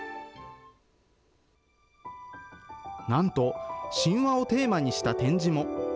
なんと神話をテーマにした展示も。